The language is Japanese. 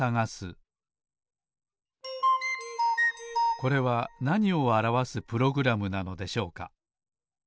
これはなにをあらわすプログラムなのでしょうか？